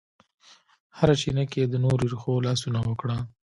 هره چینه کې یې د نور رېښو لاسونه وکړه